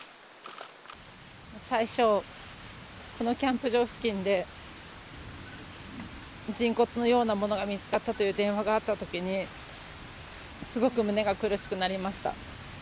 最初、このキャンプ場付近で、人骨のようなものが見つかったという電話があったときに、すごく胸が苦しくなりました。